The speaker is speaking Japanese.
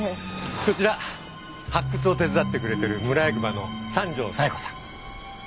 こちら発掘を手伝ってくれてる村役場の三条冴子さん。